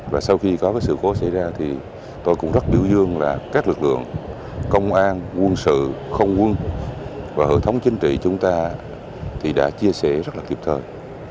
và sau khi có sự cố xảy ra thì tôi cũng rất biểu dương là các lực lượng công an quân sự không quân và hệ thống chính trị chúng ta thì đã chia sẻ rất là kịp thời